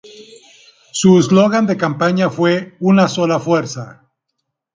Su slogan de campaña fue "Una Sola Fuerza".